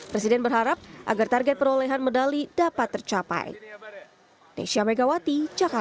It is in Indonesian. presiden berharap agar target perolehan medali dapat tercapai